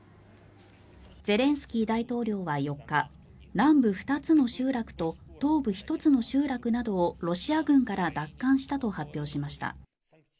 ゼレンスキー大統領は４日南部２つの集落と東部１つの集落などをロシア軍から奪還したと発表しました。